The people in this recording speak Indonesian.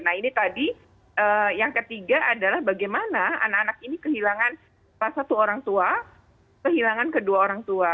nah ini tadi yang ketiga adalah bagaimana anak anak ini kehilangan salah satu orang tua kehilangan kedua orang tua